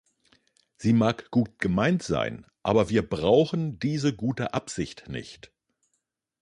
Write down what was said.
Sie mag gut gemeint sein, aber wir brauchen diese gute Absicht nicht.